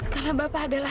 karena bapak adalah